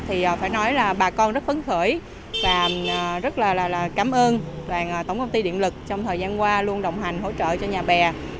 thì phải nói là bà con rất phấn khởi và rất là cảm ơn tổng công ty điện lực trong thời gian qua luôn đồng hành hỗ trợ cho nhà bè